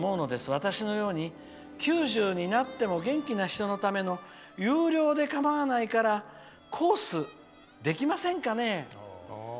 私のように９０になっても元気な人のための有料で構わないからコースできませんかね？